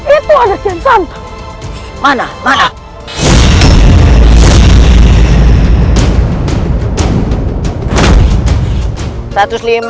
itu ada siang santan mana mana